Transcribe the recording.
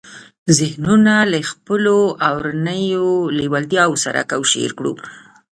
ذهنونه له خپلو اورنيو لېوالتیاوو سره کوشير کړو.